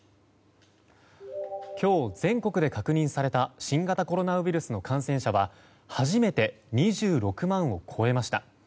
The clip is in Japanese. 今日、全国で確認された新型コロナウイルスの感染者は初めて２６万を超えました。